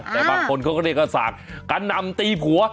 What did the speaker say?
แต่บางคนเขาก็เรียกว่าสากกระหน่ำตีผัว